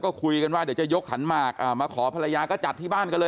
ก็คุยกันว่าเดี๋ยวจะยกขันหมากมาขอภรรยาก็จัดที่บ้านกันเลย